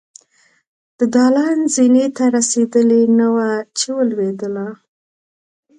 د دالان زينې ته رسېدلې نه وه چې ولوېدله.